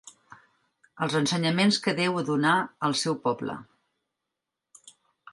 Els ensenyaments que Déu donà al seu poble.